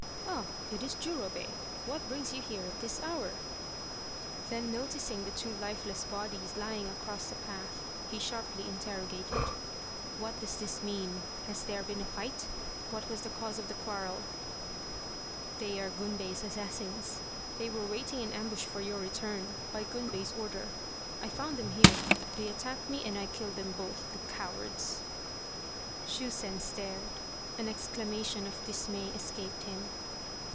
" Ah it is Jurobei ! What brings you here at this hour ?" Then noticing the two lifeless bodies lying across the path, he sharply interrogated, " What does this mean ? Has there been a fight ? What was the cause of the quarrel ?"" They are Gunbei's assassins. They were waiting in ambush for your return, by Gunbei's order. I found them here. They attacked me and I killed them both, the cowards !" Shusen started. An exclamation of dismay escaped him.